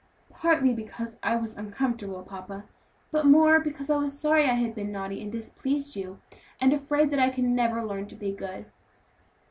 "Partly because I was uncomfortable, papa, but more because I was sorry I had been naughty, and displeased you, and afraid that I can never learn to be good."